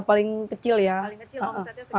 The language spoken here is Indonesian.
paling kecil omsetnya segitu